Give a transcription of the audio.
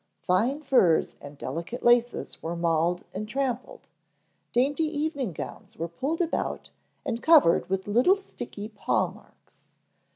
Fine furs and delicate laces were mauled and trampled; dainty evening gowns were pulled about and covered with little sticky paw marks.